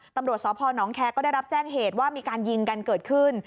ตำรวจสพนแคร์ก็ได้รับแจ้งเหตุว่ามีการยิงกันเกิดขึ้น